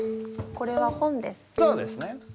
「これは本です」